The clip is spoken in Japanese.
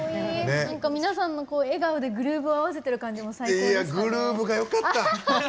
皆さんと笑顔でグルーヴを合わせてる感じも最高ですね。